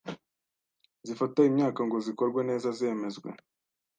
zifata imyaka ngo zikorwe neza zemezwe